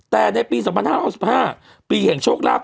แต่ในปี๒๕๖๕ปีแห่งโชคลาภ